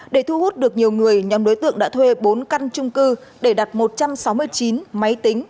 để thu hút được nhiều người nhóm đối tượng đã thuê bốn căn trung cư để đặt một trăm sáu mươi chín máy tính